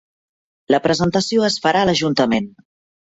La presentació es farà a l'Ajuntament